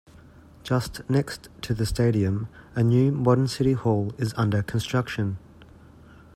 Just next to the stadium, a new modern city hall is under construction.